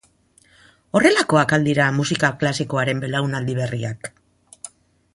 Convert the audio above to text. Horrelakoak al dira musika klasikoaren belaunaldi berriak?